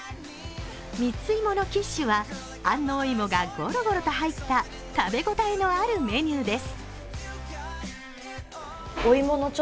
蜜芋のキッシュは安納芋がごろごろ入った食べ応えのあるメニューです。